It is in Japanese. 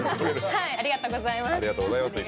ありがとうございます。